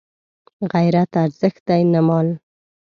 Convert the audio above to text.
غیرت ارزښت دی نه مال